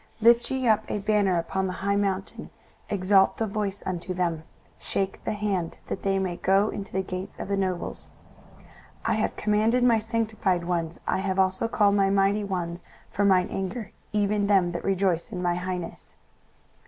23:013:002 Lift ye up a banner upon the high mountain, exalt the voice unto them, shake the hand, that they may go into the gates of the nobles. 23:013:003 I have commanded my sanctified ones, I have also called my mighty ones for mine anger, even them that rejoice in my highness.